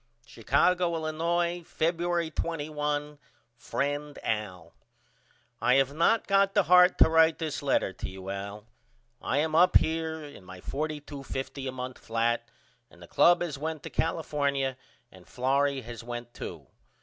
Chicago, Illinois, Febuery 21. FRIEND AL: I have not got the heart to write this letter to you Al. I am up here in my $42.50 a month flat and the club has went to California and Florrie has went too.